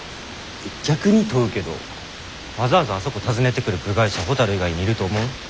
逆に問うけどわざわざあそこ訪ねてくる部外者ほたる以外にいると思う？